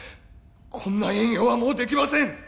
こんな営業はもうできません